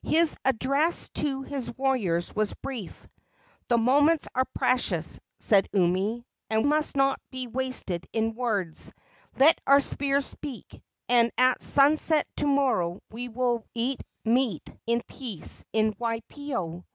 His address to his warriors was brief. "The moments are precious," said Umi, "and must not be wasted in words. Let our spears speak, and at sunset to morrow we will eat meat in peace in Waipio!"